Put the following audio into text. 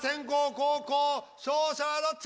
後攻勝者はどっち？